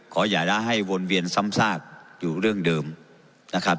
อย่าได้ให้วนเวียนซ้ำซากอยู่เรื่องเดิมนะครับ